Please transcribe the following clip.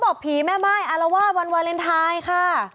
ก็บอกผีไม่มายเอาละว่าวันวาเลนไทยค่ะ